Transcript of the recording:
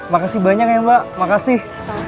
makasih banyak ya mbak makasih